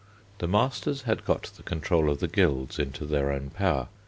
The masters had got the control of the guilds into their own power.